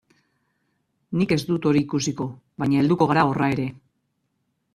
Nik ez dut hori ikusiko, baina helduko gara horra ere.